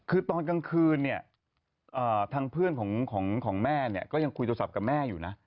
คือตอนกลางคืนเนี่ยทางเพื่อนของแม่เนี่ยก็ยังคุยโทรศัพท์กับแม่อยู่นะ